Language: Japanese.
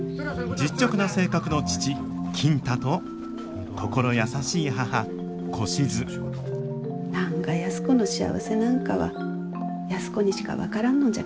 実直な性格の父金太と心優しい母小しず何が安子の幸せなんかは安子にしか分からんのじゃからな。